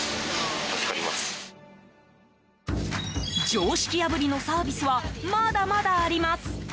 常識破りのサービスはまだまだあります。